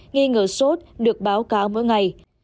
nghi ngờ sốt được báo cáo mỗi ngày